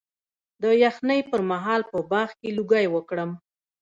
د یخنۍ پر مهال په باغ کې لوګی وکړم؟